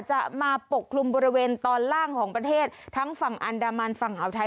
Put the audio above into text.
จะมาปกคลุมบริเวณตอนล่างของประเทศทั้งฝั่งอันดามันฝั่งอ่าวไทย